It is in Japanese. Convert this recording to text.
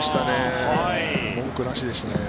文句なしでしたね。